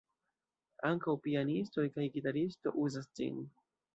Ankaŭ pianistoj kaj gitaristo uzas ĝin.